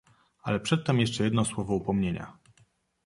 "Ale przedtem jeszcze jedno słowo upomnienia!"